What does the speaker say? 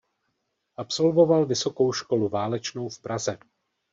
Absolvoval Vysokou školu válečnou v Praze.